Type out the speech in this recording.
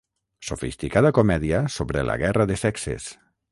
Sofisticada comèdia sobre la guerra de sexes.